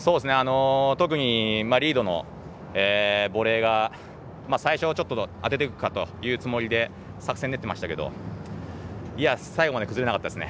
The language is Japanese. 特に、リードのボレーが最初はちょっと当てていくかというつもりで作戦練っていましたけれども最後まで崩れなかったですね。